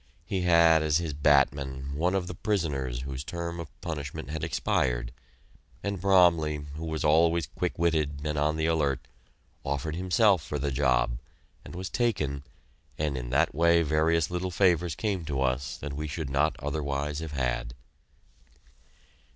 He had as his batman one of the prisoners whose term of punishment had expired, and Bromley, who was always quick witted and on the alert, offered himself for the job, and was taken, and in that way various little favors came to us that we should not otherwise have had.